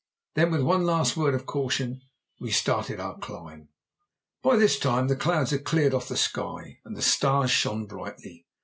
Then, with one last word of caution, we started on our climb. By this time the clouds had cleared off the sky and the stars shone brightly.